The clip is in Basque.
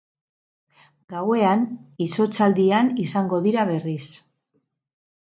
Gauean izotzaldian izango dira berriz.